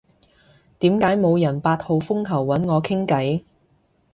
點解冇人八號風球搵我傾偈？